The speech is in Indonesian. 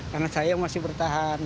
karena saya yang masih bertahan